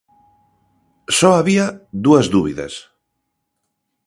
Só había dúas dúbidas.